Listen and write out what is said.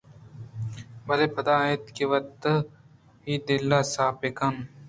بلئے باید اِنت کہ وتی دلءَ صاف بہ کناں